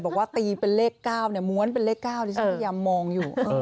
บอกว่าตีเป็นเลข๙เนี่ยม้วนเป็นเลข๙ที่ฉันพยายามมองอยู่